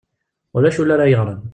Ulac ul ara yeɣren.